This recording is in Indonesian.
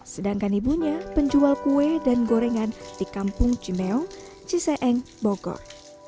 sedangkan ibunya penjual kue dan gorengan di kampung cimeo ciseeng bogor